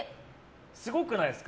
すごくないですか？